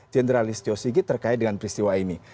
jenderalist yosigi terkait dengan peristiwa ini